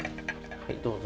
はいどうぞ。